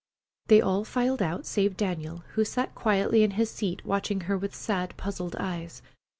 They all filed out save Daniel, who sat quietly in his seat, watching her with sad, puzzled eyes.